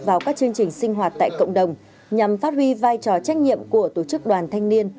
vào các chương trình sinh hoạt tại cộng đồng nhằm phát huy vai trò trách nhiệm của tổ chức đoàn thanh niên